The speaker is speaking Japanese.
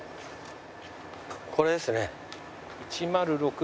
これですね。